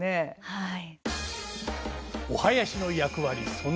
はい。